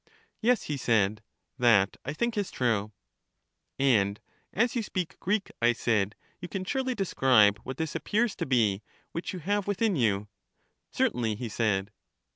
Yes, he said, that I think is true. And as you speak Greek, I said, you can surely describe what this appears to be, which you have within you. Certainly, he said.